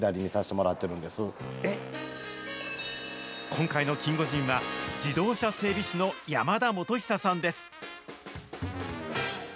今回のキンゴジンは、自動車整備士の山田基久さんです。